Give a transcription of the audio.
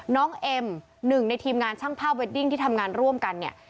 เอ็มหนึ่งในทีมงานช่างภาพเวดดิ้งที่ทำงานร่วมกันเนี่ย